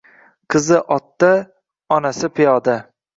Qizi otda, onasi piyoda